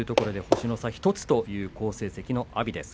星の差１つという好成績の阿炎です。